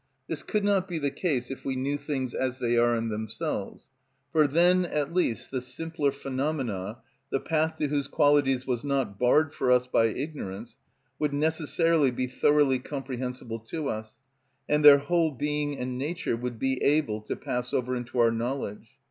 This could not be the case if we knew things as they are in themselves; for then at least the simpler phenomena, the path to whose qualities was not barred for us by ignorance, would necessarily be thoroughly comprehensible to us, and their whole being and nature would be able to pass over into our knowledge.